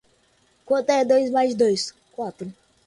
Quanto é dois mais dois?